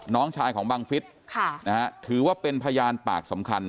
น้องชายของบังฟิศถือว่าเป็นพยานปากสำคัญ